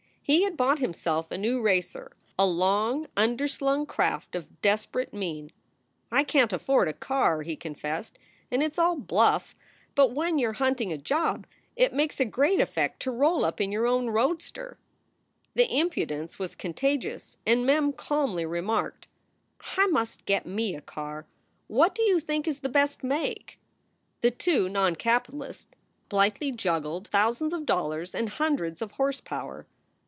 He had bought himself a new racer, a long underslung craft of desperate mien. "I can t afford a car," he con fessed, "and it s all bluff, but when you re hunting a job it makes a great effect to roll up in your own roadster." The impudence was contagious and Mem calmly re marked: 208 SOULS FOR SALE "I must get me a car. What do you think is the best make?" The two noncapitalists blithely juggled thousands of dollars and hundreds of horse power.